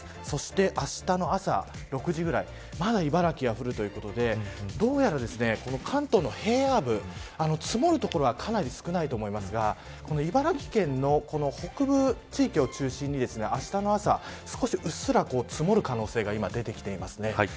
そして、あしたの朝６時ぐらいまだ茨城は降るということでどうやら、関東の平野部積もる所はかなり少ないと思いますが茨城県の北部地域を中心にあしたの朝、少しうっすら積もる可能性が出てきています。